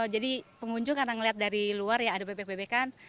jadi pengunjung karena melihat dari luar ada bebek bebekan